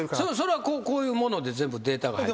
それはこういうもので全部データが入ってるわけですか？